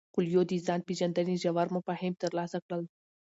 کویلیو د ځان پیژندنې ژور مفاهیم ترلاسه کړل.